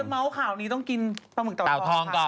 จะเม้าค่ะวันนี้ต้องกินปลาหมึกเตาทองค่ะ